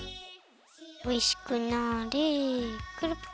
おいしくなれ。